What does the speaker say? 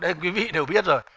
đây quý vị đều biết rồi